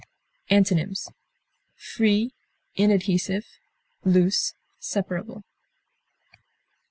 Antonyms: free, inadhesive, loose, separable.